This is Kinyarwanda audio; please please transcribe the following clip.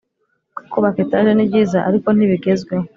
Kubaka etaje ni byiza ariko nti bigezweho